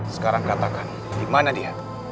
sekarang katakan di mana dia